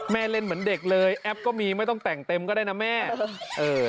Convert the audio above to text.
เล่นเหมือนเด็กเลยแอปก็มีไม่ต้องแต่งเต็มก็ได้นะแม่เออ